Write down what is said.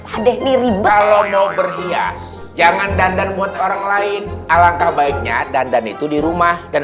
adek mirip lou bernyanyi jangan dandar mot orang lain alangkah baiknya dandan itu di rumah dan